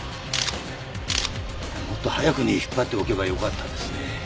もっと早くに引っ張っておけばよかったですね。